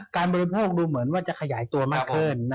บริโภคดูเหมือนว่าจะขยายตัวมากขึ้น